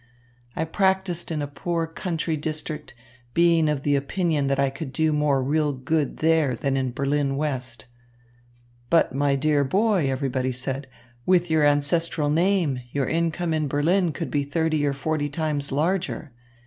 I practised in a poor country district, being of the opinion that I could do more real good there than in Berlin West. 'But, my dear boy,' everybody said, 'with your ancestral name, your income in Berlin could be thirty or forty times larger.'